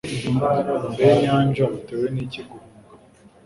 mbe nyanja, utewe n'iki guhunga